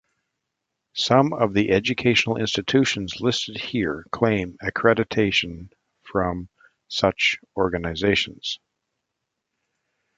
Some of the educational institutions listed here claim accreditation from such organizations.